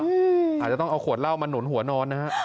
อาจจะต้องเอาขวดเหล้ามาหนุนหัวนอนนะฮะ